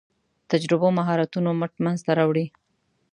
تجربو مهارتونو مټ منځ ته راوړي.